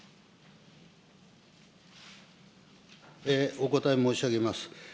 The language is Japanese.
お答え申し上げます。